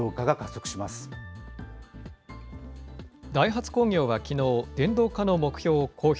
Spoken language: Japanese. ダイハツ工業はきのう、電動化の目標を公表。